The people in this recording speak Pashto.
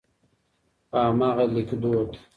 په هماغه ليکدود.